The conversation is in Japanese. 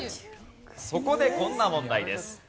そこでこんな問題です。